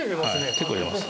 結構入れます